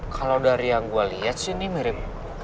kalau dari yang gue lihat sih ini mirip